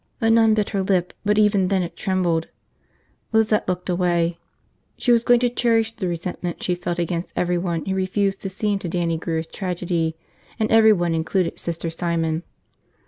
The nun bit her lip but even then it trembled. Lizette looked away. She was going to cherish the resentment she felt against everyone who refused to see into Dannie Grear's tragedy, and everyone included Sister Simon.